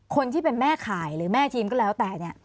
คนที่เป็นแม่ข่ายหรือแม่ทีมก็แล้วแต่เนี่ย